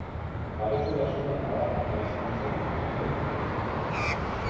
Parekotasuna nabarmena izan zen lehen laurdenean.